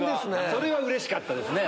それはうれしかったですね。